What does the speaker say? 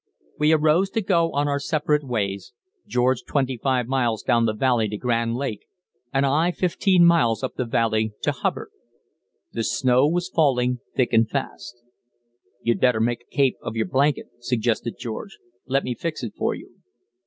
We arose to go on our separate ways, George twenty five miles down the valley to Grand Lake, and I fifteen miles up the valley to Hubbard. The snow was falling thick and fast. "You'd better make a cape of your blanket," suggested George. "Let me fix it for you."